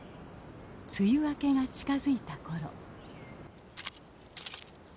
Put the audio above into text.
梅雨明けが近づいたころ。